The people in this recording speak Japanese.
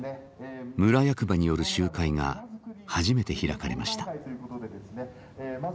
村役場による集会が初めて開かれました。